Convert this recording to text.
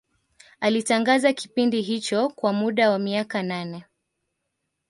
Alitangaza kipindi hicho kwa muda wa miaka nane